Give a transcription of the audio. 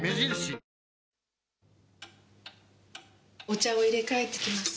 お茶をいれかえてきます。